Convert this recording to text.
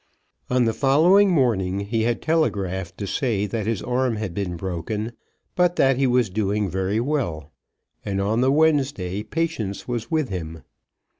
On the following morning he had telegraphed to say that his arm had been broken, but that he was doing very well. And on the Wednesday Patience was with him.